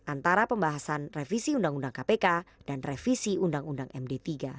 antara pembahasan revisi undang undang kpk dan revisi undang undang md tiga